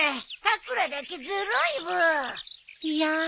さくらだけずるいブー。